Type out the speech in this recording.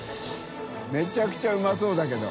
めちゃくちゃうまそうだけど。